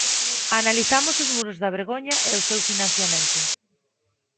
Analizamos os muros da vergoña e o seu financiamento.